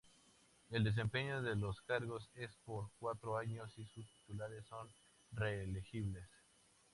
El desempeño de los cargos es por cuatro años y sus titulares son reelegibles.